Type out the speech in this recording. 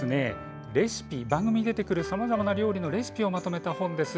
番組に出てくるさまざまなレシピをまとめた本です。